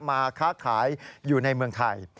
มาค้าขายอยู่ในเมืองไทย